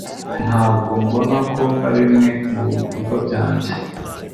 Ntabwo mbona ko arimwe mubikorwa byanjye